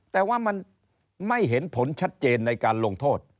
แต่ว่ามันไม่เห็นผลชัดเจนในการลงโทษ